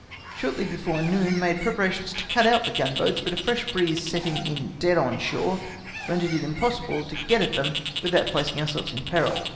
Shortly before noon made preparation to cut out the gun boats, but a fresh breeze setting in dead on shore, rendered it impossible to get at them with out placing ourselves in peril.